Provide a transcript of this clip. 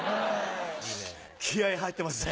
気合入ってますね。